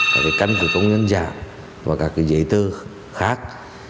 các cái cánh của công nhân giả và các cái giấy tư khác